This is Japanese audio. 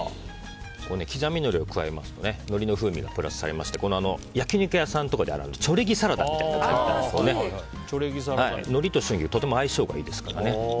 刻みのりを加えますとのりの風味がプラスされまして焼き肉屋さんとかにあるチョレギサラダみたいなのりと春菊とても相性がいいですからね。